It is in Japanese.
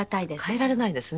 代えられないですね。